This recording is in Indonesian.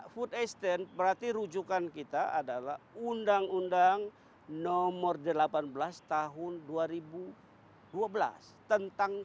food estate berarti rujukan kita adalah undang undang nomor delapan belas tahun dua ribu dua belas tentang